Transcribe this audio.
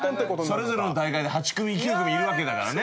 それぞれの大会で８組９組いるわけだからね。